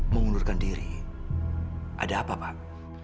mengundurkan diri ada apa bang